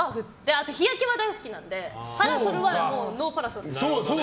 あと日焼けは大好きなのでパラソルはノーパラソル。